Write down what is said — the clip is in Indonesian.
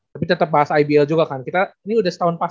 tapi tetap bahas ibl juga kan kita ini udah setahun pas